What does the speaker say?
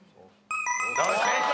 正解！